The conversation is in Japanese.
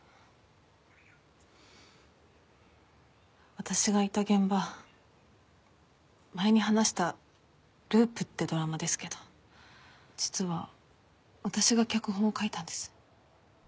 私がいた現場前に話した『ループ』ってドラマですけど実は私が脚本を書いたんです。